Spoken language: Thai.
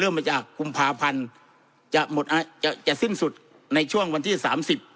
มาจากกุมภาพันธ์จะหมดอาจจะจะสิ้นสุดในช่วงวันที่สามสิบ